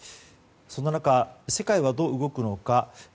そんな中世界はどう動くのか。